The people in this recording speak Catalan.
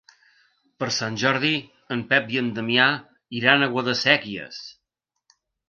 Per Sant Jordi en Pep i en Damià iran a Guadasséquies.